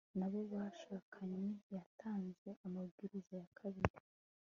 na bo bashakanye yatanze amabwiriza ya kabiri